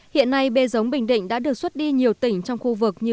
hiện nay bê giống bình định đã được xuất đi nhiều tỉnh trong khu vực như phú yên